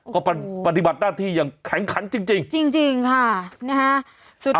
ก็ปฏิบัติหน้าที่ยังแข็งขันจริงจริงจริงจริงค่ะนะฮะ